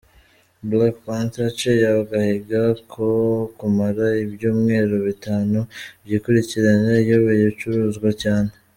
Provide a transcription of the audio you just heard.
"Black Panther" yaciye agahigo ko kumara ibyumweru bitanu byikurikiranya iyoboye izicuruzwa cyane.